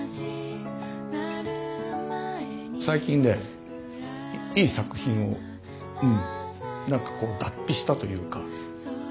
最近ねいい作品をうんなんかこう脱皮したというか。